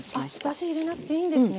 だし入れなくていいんですね。